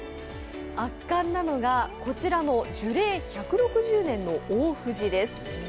圧巻なのがこちらの樹齢１６０年の大藤です。